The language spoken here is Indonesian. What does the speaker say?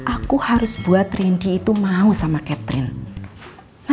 aku harus buat rindy itu mau sama catherine